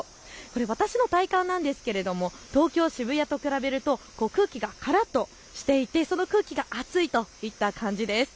私の体感なんですが、東京渋谷と比べると空気がからっとしていてその空気が熱いといった感じです。